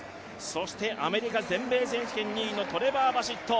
そしてアメリカ全米選手権２位のトレバー・バシット。